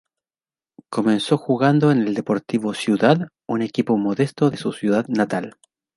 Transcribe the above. Comenzó jugando en el Deportivo Ciudad un equipo modesto de su ciudad natal.